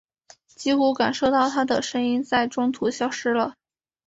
几乎感受到她的声音在中途消失了。